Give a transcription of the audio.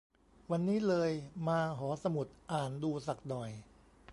วันนี้เลยมาหอสมุดอ่านดูสักหน่อย